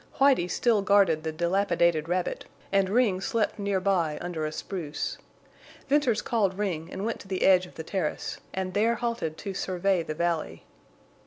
Whitie still guarded the dilapidated rabbit, and Ring slept near by under a spruce. Venters called Ring and went to the edge of the terrace, and there halted to survey the valley.